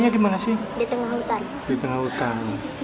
di tengah hutan